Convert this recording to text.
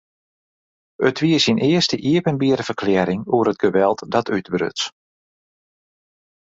It wie syn earste iepenbiere ferklearring oer it geweld dat útbruts.